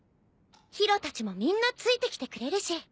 宙たちもみんなついてきてくれるし